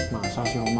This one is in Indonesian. masa sih omong gak tau